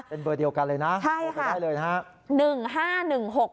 เป็นเบอร์เดียวกันเลยนะโทรไปได้เลยนะครับ